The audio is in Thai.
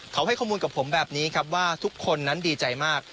เขาให้ข้อมูลกับผมแบบนี้ครับว่าทุกคนนั้นดีใจมาก